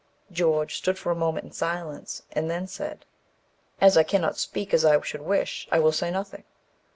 George stood for a moment in silence, and then said, "As I cannot speak as I should wish, I will say nothing."